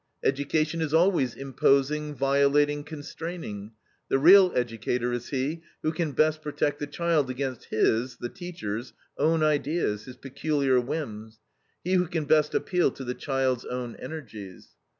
Education is always imposing, violating, constraining; the real educator is he who can best protect the child against his (the teacher's) own ideas, his peculiar whims; he who can best appeal to the child's own energies.